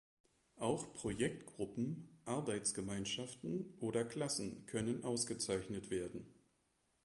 Auch Projektgruppen, Arbeitsgemeinschaften oder Klassen können ausgezeichnet werden.